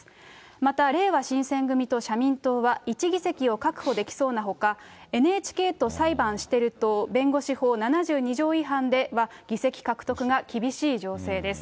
またれいわ新選組と社民党は、１議席を確保できそうなほか、ＮＨＫと裁判してる党弁護士法７２条違反では議席獲得が厳しい情勢です。